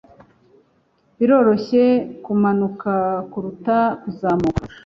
Biroroshye kumanuka kuruta kuzamuka